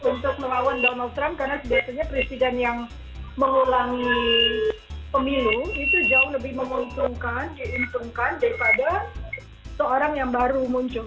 untuk melawan donald trump karena biasanya presiden yang mengulangi pemilu itu jauh lebih menguntungkan diuntungkan daripada seorang yang baru muncul